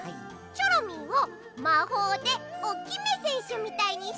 チョロミーをまほうでオキメせんしゅみたいにしてくれない？